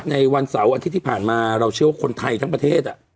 ในวันเสาร์อาทิตย์ที่ผ่านมาเราเชื่อว่าคนไทยทั้งประเทศ